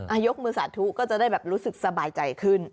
ยกมือสาธุก็จะได้แบบรู้สึกสบายใจขึ้น